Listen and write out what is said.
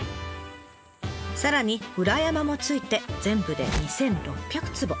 さらに裏山もついて全部で２，６００坪。